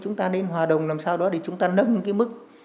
chúng ta nên hòa đồng làm sao đó để chúng ta nâng cái mức